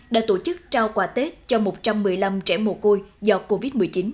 đã tổ chức trao quà tết cho một trăm một mươi năm trẻ mồ côi do covid một mươi chín